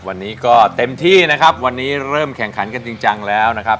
วันนี้ก็เต็มที่นะครับวันนี้เริ่มแข่งขันกันจริงจังแล้วนะครับ